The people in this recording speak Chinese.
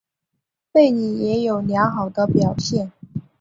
贝里也有良好的表现。